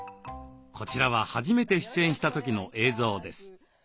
こちらは初めて出演した時の映像です。